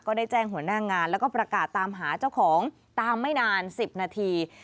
ได้แจ้งหัวหน้างานแล้วก็ประกาศตามหาเจ้าของตามไม่นาน๑๐นาที